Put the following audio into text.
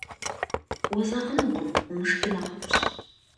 Уэзэгъынукъым, умышхи нэхъыфӏщ.